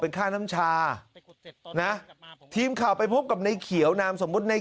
ค่าน้ำชานะทีมข่าวไปพบกับในเขียวนามสมมุติใน